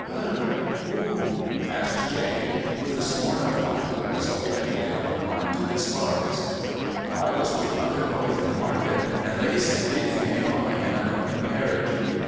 "Her? Who?" asked Jane, with the scorn of one who has already made up her mind to despise. "I was with mother going through the market and Lady St. Leath came by in an open carriage.